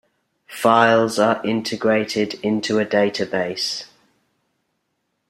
Files are integrated into a database.